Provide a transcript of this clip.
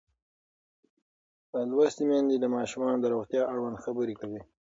لوستې میندې د ماشومانو د روغتیا اړوند خبرې کوي.